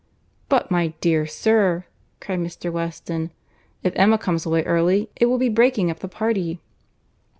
"But, my dear sir," cried Mr. Weston, "if Emma comes away early, it will be breaking up the party."